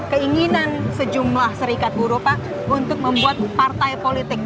keinginan sejumlah serikat buruh pak untuk membuat partai politik